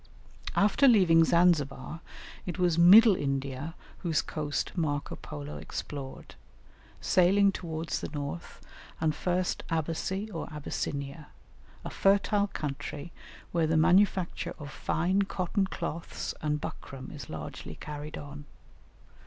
After leaving Zanzibar it was Middle India whose coast Marco Polo explored, sailing towards the north, and first Abassy or Abyssinia, a fertile country where the manufacture of fine cotton cloths and buckram is largely carried on.